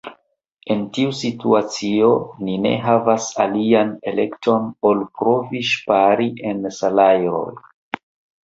En tiu situacio ni ne havas alian elekton ol provi ŝpari en salajroj.